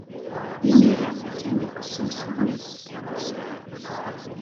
Imir-a, attan deg usensu-nnes.